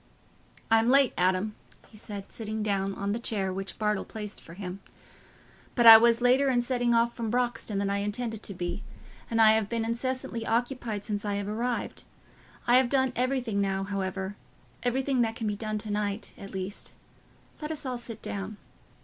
"I'm late, Adam," he said, sitting down on the chair which Bartle placed for him, "but I was later in setting off from Broxton than I intended to be, and I have been incessantly occupied since I arrived. I have done everything now, however—everything that can be done to night, at least. Let us all sit down."